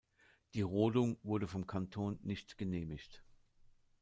Die Rodung wurde vom Kanton nicht genehmigt.